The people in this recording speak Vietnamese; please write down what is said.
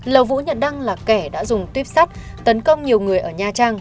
lầu vũ nhật đăng là kẻ đã dùng tuyếp sát tấn công nhiều người ở nha trang